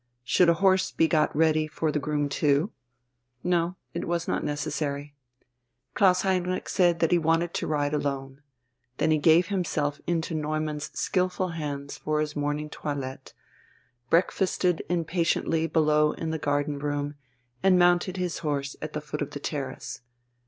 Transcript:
Should a horse be got ready for the groom too? No, it was not necessary. Klaus Heinrich said that he wanted to ride alone. Then he gave himself into Neumann's skilful hands for his morning toilette, breakfasted impatiently below in the garden room, and mounted his horse at the foot of the terrace.